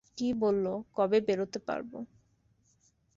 কী বলল, কবে বেরোতে পারবো?